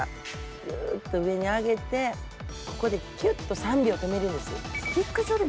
ぐーっと上に上げて、ここできゅっと３秒止めるんです。